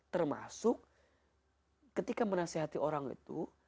termasuk ketika menasehati orang itu